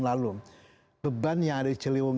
lalu beban yang ada di ciliwung